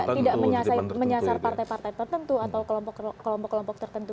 tidak menyasar partai partai tertentu atau kelompok kelompok tertentu